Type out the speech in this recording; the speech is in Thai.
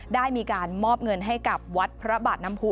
ได้มีการมอบเงินให้กับวัดพระบาทน้ำผู้